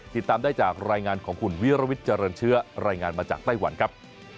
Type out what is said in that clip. ติดตามได้จากรายงานของคุณวิรวิทย์เจริญเชื้อรายงานมาจากไต้หวันครับ